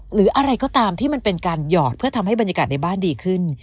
หรืออะไรก็ตามที่มันเป็นการหยอดเพื่อทำให้บรรยากาศในบ้านดีขึ้น